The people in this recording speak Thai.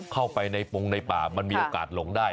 เข้าไปในปงในป่ามันมีโอกาสหลงได้